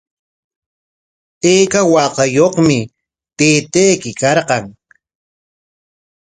¿Ayka waakayuqmi taytayki karqan?